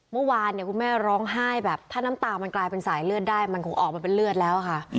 เมื่อวานเนี่ยคุณแม่ร้องไห้แบบถ้าน้ำตามันกลายเป็นสายเลือดได้มันคงออกมาเป็นเลือดแล้วค่ะ